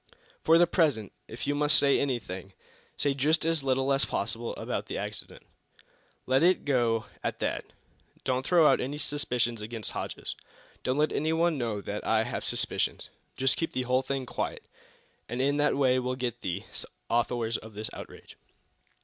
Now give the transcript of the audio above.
For the present, if you must say anything, say just as little as possible about the accident. Let it go at that. Don't throw out any suspicions against Hodges. Don't let anyone know that I have any suspicions. Just keep the whole thing quiet and in that way we'll get the authors of this outrage."